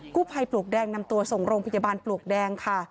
กู้ภัยปลวกแดงนำตัวส่งโรงพยาบาลปลวกแดงค่ะ